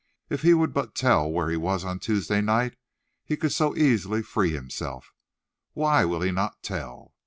If he would but tell where he was on Tuesday night, he could so easily free himself. Why will he not tell?"